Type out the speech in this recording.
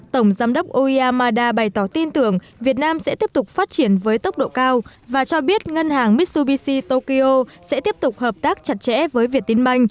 tổng giám đốc oea mada bày tỏ tin tưởng việt nam sẽ tiếp tục phát triển với tốc độ cao và cho biết ngân hàng mitsubishi tokyo sẽ tiếp tục hợp tác chặt chẽ với việt tinh banh